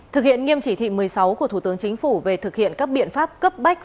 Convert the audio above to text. thực hiện nghiêm chỉ thị một mươi sáu của thủ tướng chính phủ về thực hiện các biện pháp cấp bách